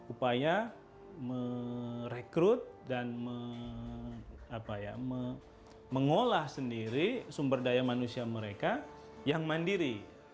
upaya merekrut dan mengolah sendiri sumber daya manusia mereka yang mandiri